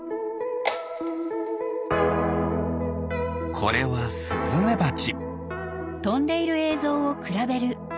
これはスズメバチ。